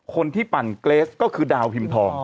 ปั่นเกรสก็คือดาวพิมพ์ทอง